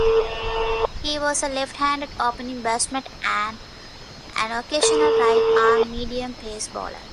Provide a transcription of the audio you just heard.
He was a left-handed opening batsman and an occasional right-arm medium-pace bowler.